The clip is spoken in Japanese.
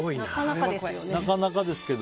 なかなかですよね。